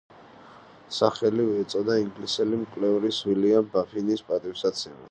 სახელი ეწოდა ინგლისელი მკვლევარის უილიამ ბაფინის პატივსაცემად.